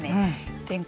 全国